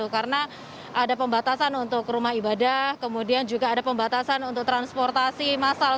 karena ada pembatasan untuk rumah ibadah kemudian juga ada pembatasan untuk transportasi masal